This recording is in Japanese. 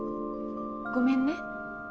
ごめんね。